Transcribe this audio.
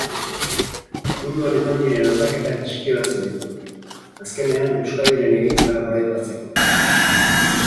Munduan eman diren aldaketak deskribatzen ditu, azkenean Euskadiren egitura goraipatzeko.